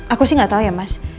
aku sih gak tau ya mas